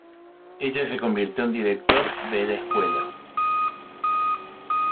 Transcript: Ella se convirtió en director de la escuela.